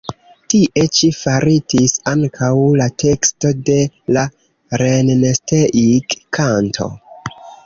Tie ĉi faritis ankaŭ la teksto de la "Rennsteig-kanto".